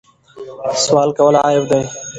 سوال کول عیب دی.